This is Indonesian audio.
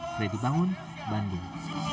fredy bangun bandung